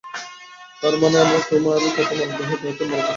তারমানে আমরা তোমার কথা মানবো, নয়তো মরবো, তাই না?